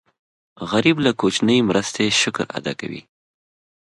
غریب له کوچنۍ مرستې شکر ادا کوي